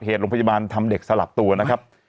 โรงพยาบาลทำเด็กสลับตัวนะครับ